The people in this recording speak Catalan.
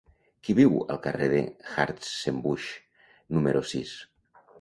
Qui viu al carrer de Hartzenbusch número sis?